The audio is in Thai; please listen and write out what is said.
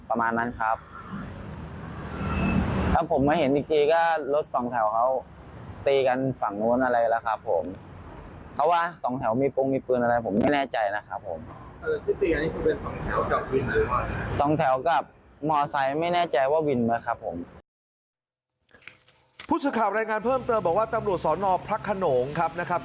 ผู้สื่อข่าวรายงานเพิ่มเติมบอกว่าตำรวจสอนอพระขนงครับนะครับ